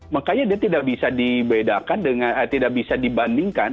makanya dia tidak bisa dibandingkan